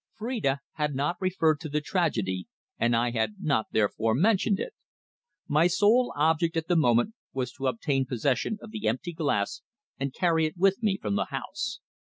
Phrida had not referred to the tragedy, and I had not therefore mentioned it. My sole object at the moment was to obtain possession of the empty glass and carry it with me from the house.